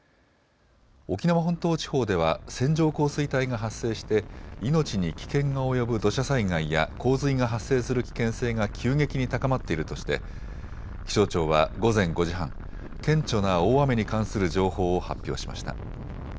沖縄本島地方では線状降水帯が発生して命に危険が及ぶ土砂災害や洪水が発生する危険性が急激に高まっているとして気象庁は午前５時半、顕著な大雨に関する情報を発表しました。